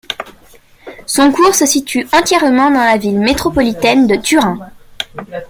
Son cours se situe entièrement dans la ville métropolitaine de Turin.